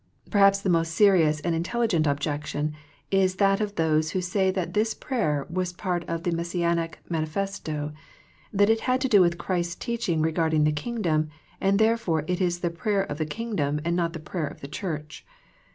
Perhaps the most serious and in telligent objection is that of those who say that this prayer was part of the Messianic Manifesto, that it had to do with Christ's teaching regard ing the Kingdom, and that therefore it is the prayer of the Kingdom and not the prayer of the Church.